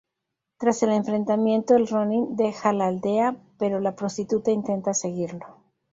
Tras el enfrentamiento el ronin deja la aldea, pero la prostituta intenta seguirlo.